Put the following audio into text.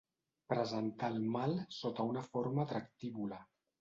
Presentar el mal sota una forma atractívola.